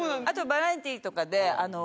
あとバラエティーとかで。